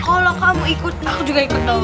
kalau kamu ikut aku juga ikut dong